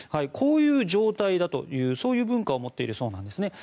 こういう状態だというそういう文化を持っているそうなんです。